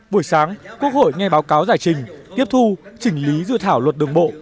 buổi sáng quốc hội nghe báo cáo giải trình tiếp thu chỉnh lý dự thảo luật đường bộ